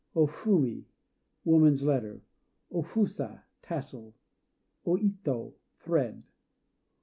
O Fumi "Woman's Letter." O Fusa "Tassel." O Ito "Thread."